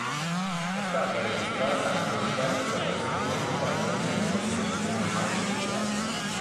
È stata registrata anche una terza versione interamente in lingua inglese, ma mai pubblicata.